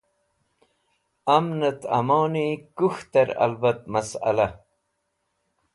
Amnẽt amoni kũkhtẽr albat masla